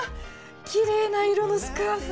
きれいな色のスカーフ！